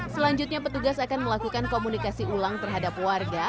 selanjutnya petugas akan melakukan komunikasi ulang terhadap warga